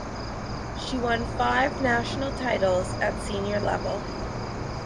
She won five national titles at senior level.